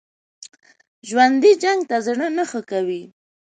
ژوندي جنګ ته زړه نه ښه کوي